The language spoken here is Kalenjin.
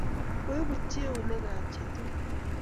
Koibutchi eunek ab chit tugul